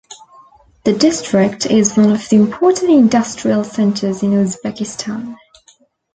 The district is one of the important industrial centers in Uzbekistan.